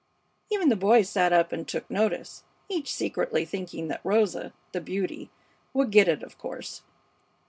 Even the boys sat up and took notice, each secretly thinking that Rosa, the beauty, would get it, of course.